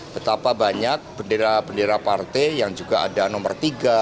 betapa banyak bendera bendera partai yang juga ada nomor tiga